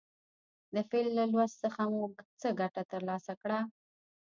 د فعل له لوست څخه مو څه ګټه تر لاسه کړه.